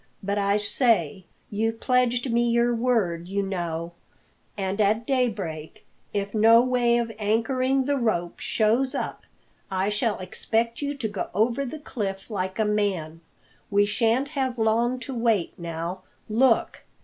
But, I say you pledged me your word, you know; and at daybreak, if no way of anchoring the rope shows up, I shall expect you to go over the cliff like a man. We shan't have long to wait now. Look!"